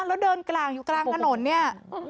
แล้วเดินกลางอยู่กลางถนนเนี่ย